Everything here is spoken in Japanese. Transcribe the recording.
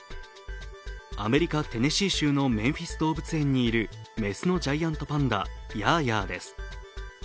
アメリカ・テネシー州のメンフィス動物園にいる雌のジャイアントパンダ、ヤーヤーです。